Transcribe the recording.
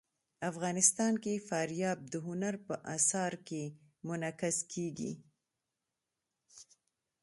افغانستان کې فاریاب د هنر په اثار کې منعکس کېږي.